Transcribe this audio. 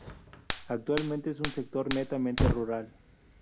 Actualmente es un sector netamente rural.